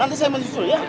nanti saya menjusur ya